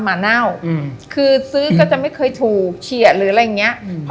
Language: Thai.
หมาเน่าอืมคือซื้อก็จะไม่เคยถูกเฉียดหรืออะไรอย่างเงี้ยอืม